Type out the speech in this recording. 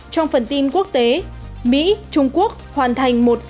trong phần tin quốc tế mỹ trung quốc hoàn thành một cuộc đời tốt đẹp